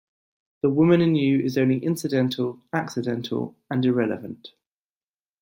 The woman in you is only incidental, accidental, and irrelevant.